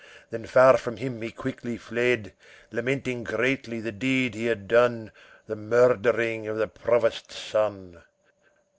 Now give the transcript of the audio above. Then far from him he quickly fled, Lamenting greatly the deed he had done, the murdering of the Provost's son.